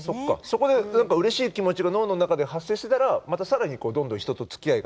そこで何かうれしい気持ちが脳の中で発生してたらまた更にどんどん人とつきあいがね。